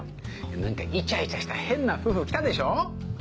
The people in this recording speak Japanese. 何かイチャイチャした変な夫婦来たでしょ？